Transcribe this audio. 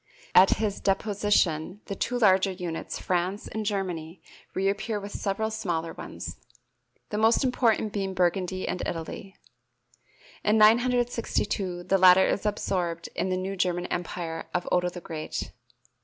At his deposition the two larger units, France and Germany, reappear with several smaller ones, the most important being Burgundy and Italy. In 962 the latter is absorbed in the new German empire of Otto the Great.